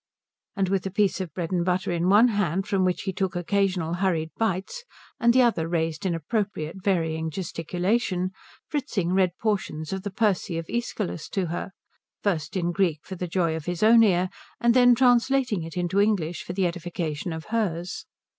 And with a piece of bread and butter in one hand, from which he took occasional hurried bites, and the other raised in appropriate varying gesticulation, Fritzing read portions of the Persae of Æschylus to her, first in Greek for the joy of his own ear and then translating it into English for the edification of hers.